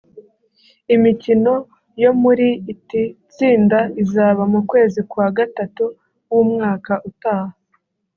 Imikino yo muri iti tsinda izaba mu kwezi kwa Gatatu w’umwaka utaha